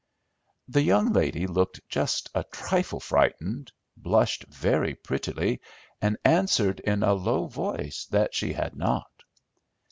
The young lady looked just a trifle frightened, blushed very prettily, and answered in a low voice that she had not.